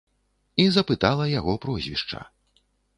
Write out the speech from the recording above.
І запытала яго прозвішча.